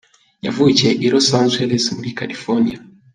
Yavukiye i Los Angeles muri California.